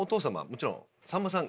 もちろんさんまさん